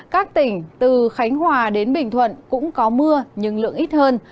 các tỉnh từ khánh hòa đến bình thuận cũng có mưa nhưng lượng ít hơn